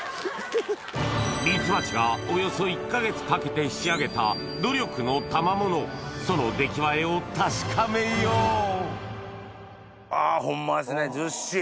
ミツバチがおよそ１か月かけて仕上げたその出来栄えを確かめようあぁホンマですねずっしり。